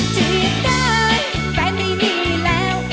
จีบได้แฟนไม่มีแล้ว